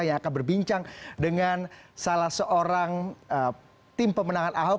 yang akan berbincang dengan salah seorang tim pemenangan ahok